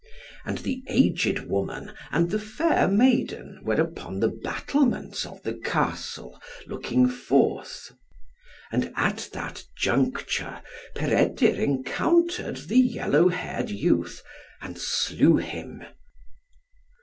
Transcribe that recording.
And the aged woman and the fair maiden were upon the battlements of the Castle, looking forth. And at that juncture, Peredur encountered the yellow haired youth, and slew him.